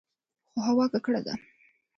خو هوا ککړه ده.